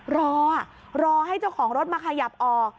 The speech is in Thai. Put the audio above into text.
รอรอให้เจ้าของรถมาขยับออก